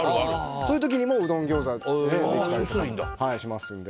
そういう時にもうどんギョーザにできたりとかしますので。